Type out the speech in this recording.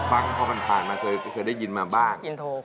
ฟังเพราะมันผ่านมาเคยได้ยินมาบ้าง